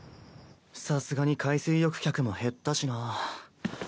さすがに海水浴客も減ったしな。